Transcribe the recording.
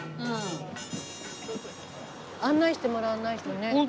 うん。案内してもらわないとね。